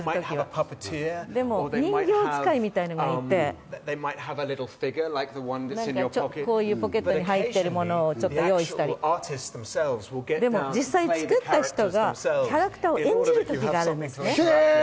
でも人形使いみたいなのがいて、何かちょっとポケットに入っているものを用意したり、でも実際に作った人がキャラクターを演じる時があるんですね。